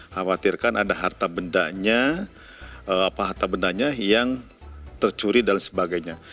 khawatirkan ada harta bendanya yang tercuri dan sebagainya